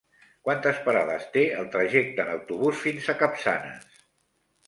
Quantes parades té el trajecte en autobús fins a Capçanes?